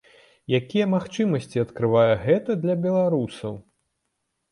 Якія магчымасці адкрывае гэта для беларусаў?